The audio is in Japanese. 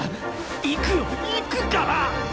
行くよ行くから。